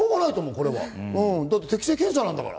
これは、適性検査なんだから。